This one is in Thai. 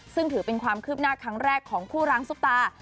ซึ่งถือเป็นความคืบหน้าครั้งแรกของคู่ร้างซุปตา